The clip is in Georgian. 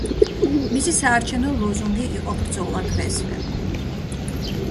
მისი საარჩევნო ლოზუნგი იყო „ბრძოლა დღესვე“.